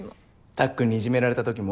たっくんにいじめられたときも？